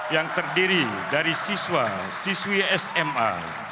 yang terdiri dari siswa siswi sma